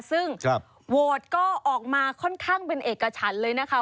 ซึ่งโหวตก็ออกมาค่อนข้างเป็นเอกฉันเลยนะคะ